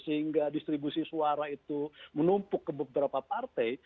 sehingga distribusi suara itu menumpuk ke beberapa partai